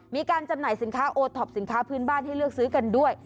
จำหน่ายสินค้าโอท็อปสินค้าพื้นบ้านให้เลือกซื้อกันด้วย